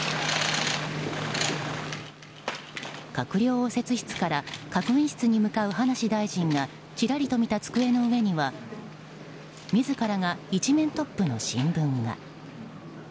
閣僚応接室から閣議室に向かう葉梨大臣がちらりと見た机の上には自らが１面トップの新聞が。